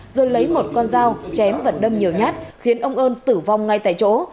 rồi lấy một con dao chém và đâm nhiều nhát khiến ông ơn tử vong ngay tại chỗ